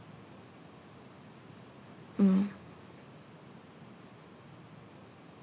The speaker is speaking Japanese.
うん。